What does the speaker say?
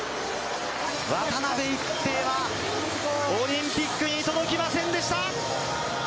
渡辺一平はオリンピックに届きませんでした。